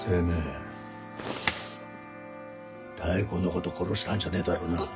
妙子のこと殺したんじゃねえだろうな？